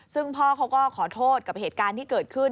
ซึ่งพ่อเขาก็ขอโทษกับเหตุการณ์ที่เกิดขึ้น